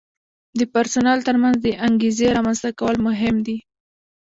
د پرسونل ترمنځ د انګیزې رامنځته کول مهم دي.